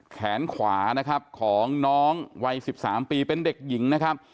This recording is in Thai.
แขนขวานะครับของน้องวัย๑๓ปีเป็นเด็กหญิงนะครับ